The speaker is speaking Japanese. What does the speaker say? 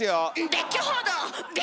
別居報道！